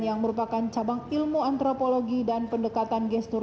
yang merupakan cabang ilmu antropologi dan pendekatan gestur